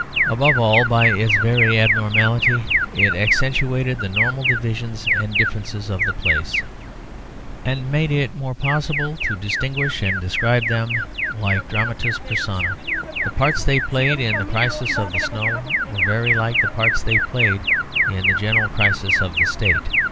Above all, by its very abnormality it accentuated the normal divisions and differences of the place; and made it more possible to distinguish and describe them like dramatis personae. The parts they played in the crisis of the snow were very like the parts they played in the general crisis of the state.